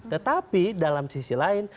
tetapi dalam sisi lain